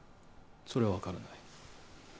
それは分からない。